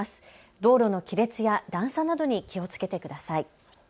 道路の亀裂や段差などに気をつけてください。